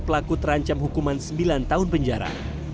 pelaku terancam hukuman sembilan tahun penjara